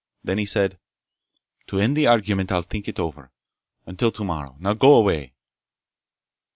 Then he said: "To end the argument I'll think it over. Until tomorrow. Now go away!"